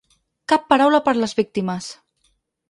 Cap paraula per les víctimes.